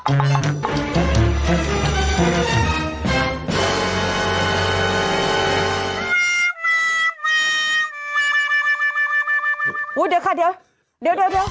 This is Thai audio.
โอ๊ยเดี๋ยวค่ะเดี๋ยว